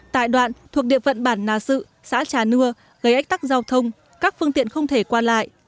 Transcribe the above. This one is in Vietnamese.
tại đoạn thuộc địa phận bản nà sự xã trà nưa gây ách tắc giao thông các phương tiện không thể qua lại